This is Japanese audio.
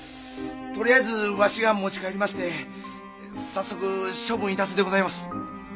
とりあえずわしが持ち帰りまして早速処分いたすでございます。